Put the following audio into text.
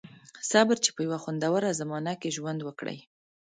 • صبر، چې په یوه خوندوره زمانه کې ژوند وکړئ.